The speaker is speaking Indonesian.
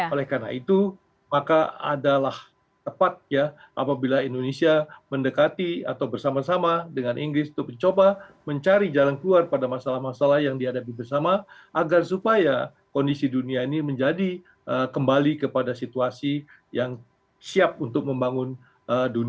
oleh karena itu maka adalah tepat ya apabila indonesia mendekati atau bersama sama dengan inggris untuk mencoba mencari jalan keluar pada masalah masalah yang dihadapi bersama agar supaya kondisi dunia ini menjadi kembali kepada situasi yang siap untuk membangun dunia